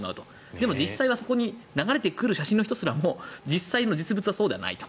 でも実際はそこに流れてくる写真の人すらも実際の実物はそうではないと。